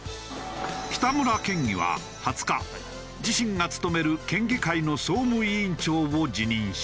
北村県議は２０日自身が務める県議会の総務委員長を辞任した。